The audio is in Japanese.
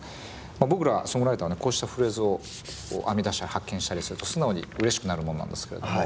まあ僕らソングライターはねこうしたフレーズを編み出したり発見したりすると素直にうれしくなるもんなんですけれども。